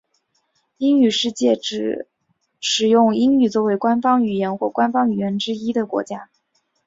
英语世界指使用英语作为官方语言或官方语言之一的国家。